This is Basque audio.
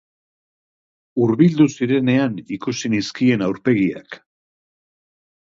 Hurbildu zirenean ikusi nizkien aurpegiak.